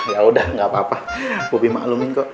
yaudah gak apa apa bobby maklumin kok